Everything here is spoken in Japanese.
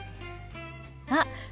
あっ！